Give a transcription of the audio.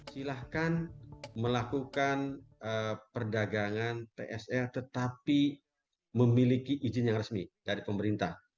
silahkan melakukan perdagangan psl tetapi memiliki izin yang resmi dari pemerintah